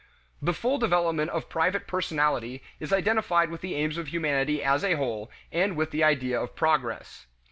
The full development of private personality is identified with the aims of humanity as a whole and with the idea of progress.